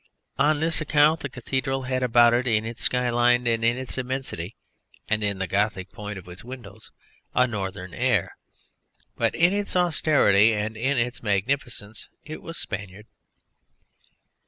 On this account the cathedral had about it in its sky line and in its immensity, and in the Gothic point of its windows, a Northern air. But in its austerity and in its magnificence it was Spaniard.